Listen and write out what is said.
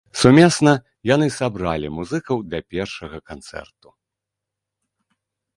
Сумесна яны сабралі музыкаў для першага канцэрту.